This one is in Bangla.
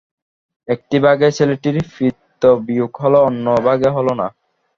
একটি ভাগে ছেলেটির পিতৃবিয়োগ হল, অন্য ভাগে হল না।